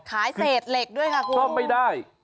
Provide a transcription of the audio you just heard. ขายเศษเหล็กด้วยค่ะคุณโอ้โฮต้องไม่ได้